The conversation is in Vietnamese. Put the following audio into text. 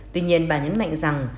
tuy nhiên bà nhấn mạnh rằng